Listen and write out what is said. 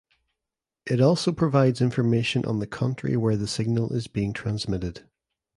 It also provides information on the country where the signal is being transmitted.